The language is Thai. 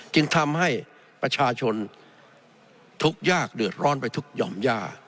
จึงทำให้ประชาชนทุกข์ยากเดือดร้อนไปทุกหย่อมย่า